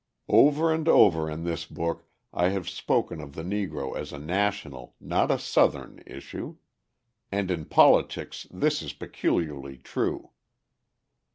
Over and over in this book I have spoken of the Negro as a national, not a Southern issue; and in politics this is peculiarly true.